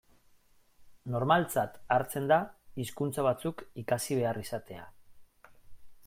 Normaltzat hartzen da hizkuntza batzuk ikasi behar izatea.